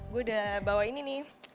gue udah bawa ini nih